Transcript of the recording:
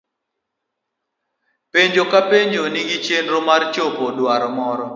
Penjo ka penjo nigi chenro mar chopo dwaro moro.